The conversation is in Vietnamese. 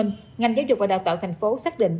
ngành giáo dục và đào tạo tp hcm xác định